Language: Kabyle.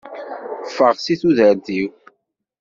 Ffeɣ si tudert-iw!